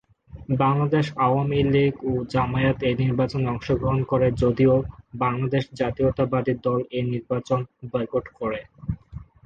Bangladesh Awami League ও জামায়াত এই নির্বাচনে অংশগ্রহণ করে যদিও বাংলাদেশ জাতীয়তাবাদী দল এই নির্বাচন বয়কট করে।